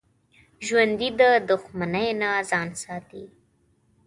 ژوندي د دښمنۍ نه ځان ساتي